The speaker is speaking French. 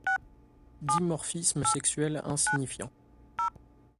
Dimorphisme sexuel insignifiant.